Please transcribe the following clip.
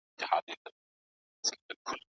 يوازې شوی يم يادونه د هغې نه راځي